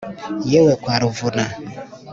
yewe kwa ruvuna